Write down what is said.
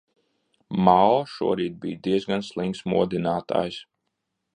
Mao šorīt bija diezgan slinks modinātājs.